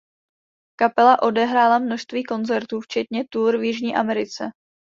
Kapela odehrála množství koncertů včetně tour v Jižní Americe.